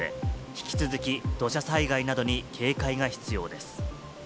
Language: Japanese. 引き続き土砂災害などに警戒が必要です。